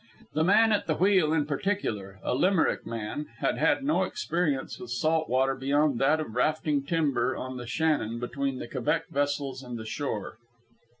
The man at the wheel in particular, a Limerick man, had had no experience with salt water beyond that of rafting timber on the Shannon between the Quebec vessels and the shore.